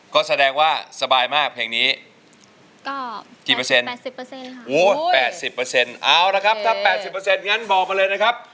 ก็แสดงว่าสบายมากเพลงนี้กี่เปอร์เซ็นต์อู๋๘๐เอาั้๊ถ้า๘๐งั้นเบาออมาเร้นนะครับ